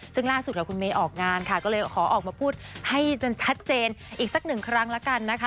ซึ่งล่าสุดคุณเมย์ออกงานค่ะก็เลยขอออกมาพูดให้จนชัดเจนอีกสักหนึ่งครั้งแล้วกันนะคะ